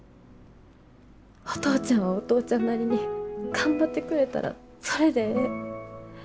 お父ちゃんはお父ちゃんなりに頑張ってくれたらそれでええ。